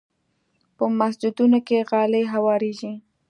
په مسجدونو کې غالۍ هوارېږي.